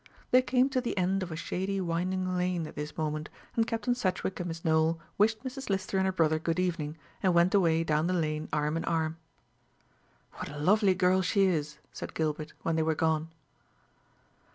They came to the end of a shady winding lane at this moment, and Captain Sedgewick and Miss Nowell wished Mrs. Lister and her brother good evening, and went away down the lane arm in arm. "What a lovely girl she is!" said Gilbert, when they were gone.